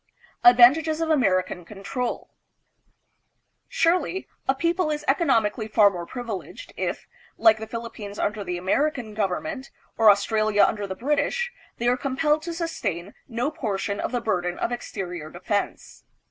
Advantages of American Control. Surely, a people is economically far more privileged if, like the Philippines under the American government, or Australia under the British, they are compelled to sustain no portion of the burden of exterior defense.